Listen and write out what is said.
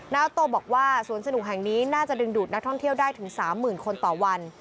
โตบอกว่าสวนสนุกแห่งนี้น่าจะดึงดูดนักท่องเที่ยวได้ถึง๓๐๐๐คนต่อวัน